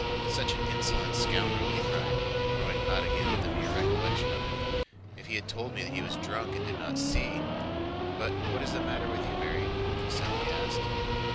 "Such an insolent scoundrel!" he cried, growing hot again at the mere recollection of him. "If he had told me he was drunk and did not see... But what is the matter with you, Mary?" he suddenly asked.